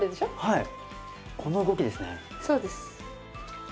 はい。